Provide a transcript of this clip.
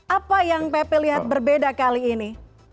apa yang pepe lihat berbeda kali ini